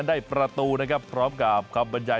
ได้ประตูพร้อมกับกลุ่มอบบรรยาย